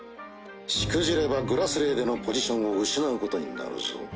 しくじれば「グラスレー」でのポジションを失うことになるぞ。